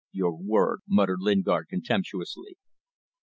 "Your word," muttered Lingard, contemptuously.